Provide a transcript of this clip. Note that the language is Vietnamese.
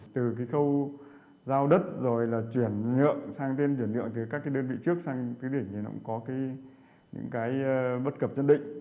từ cái khâu giao đất rồi là chuyển nhượng sang tiên chuyển nhượng thì các cái đơn vị trước sang cái đỉnh thì nó cũng có cái những cái bất cập chân định